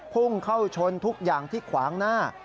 พุ่งเข้าชนทุกอย่างที่ขวางหน้า